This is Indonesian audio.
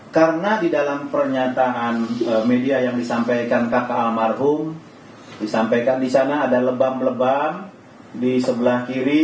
karena di dalam pernyataan media yang disampaikan kakak almarhum disampaikan disana ada lebam lebam di sebelah kiri